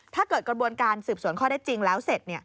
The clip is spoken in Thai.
กระบวนการสืบสวนข้อได้จริงแล้วเสร็จ